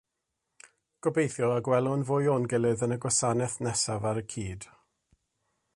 Gobeithio y gwelwn fwy o'n gilydd yn y gwasanaeth nesaf ar y cyd